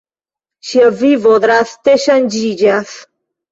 Ŝia vivo draste ŝanĝiĝas.